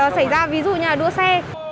xảy ra ví dụ như là đua xe